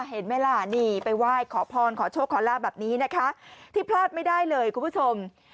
เห็นไหมล่ะนี่ไปไหว้ขอพรขอโชคขอลาบแบบนี้นะคะที่พลาดไม่ได้เลยคุณผู้ชม